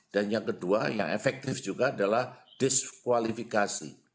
dan yang kedua yang efektif juga adalah diskualifikasi